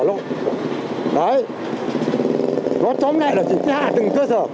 nó trống lại là chỉ cái hạt từng cơ sở